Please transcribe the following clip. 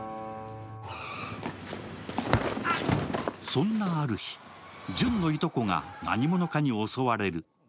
そんなある日、淳のいとこが何者かに襲われる。